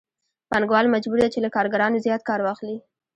پانګوال مجبور دی چې له کارګرانو زیات کار واخلي